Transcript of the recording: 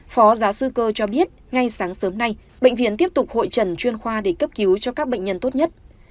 phó giáo sư cơ cho biết ngay sáng sớm nay bệnh viện tiếp tục hội trần chuyên khoa để cấp cứu cho các bệnh nhân tốt nhất